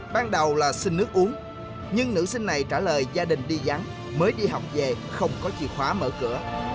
ban đầu là xin nước uống nhưng nữ sinh này trả lời gia đình đi gián mới đi học về không có chìa khóa mở cửa